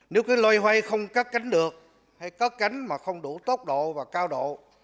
nếu cái lôi hoay không cắt cánh được hay cắt cánh mà không đủ tốc độ và cao độ